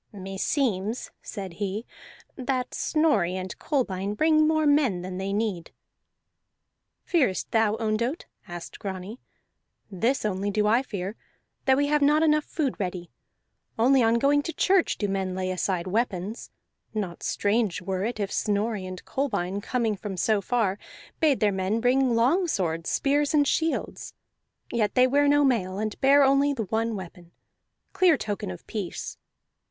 "Meseems," said he, "that Snorri and Kolbein bring more men than they need." "Fearest thou, Ondott?" asked Grani. "This only do I fear, that we have not enough food ready. Only on going to church do men lay aside weapons; not strange were it if Snorri and Kolbein, coming from so far, bade their men bring longswords, spears, and shields. Yet they wear no mail, and bear only the one weapon clear token of peace.